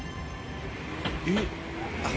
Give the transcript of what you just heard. えっ！